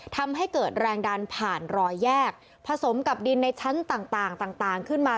ทำให้เกิดแรงดันผ่านรอยแยกผสมกับดินในชั้นต่างต่างขึ้นมา